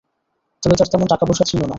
তবে তার তেমন টাকা-পয়সা ছিলো না।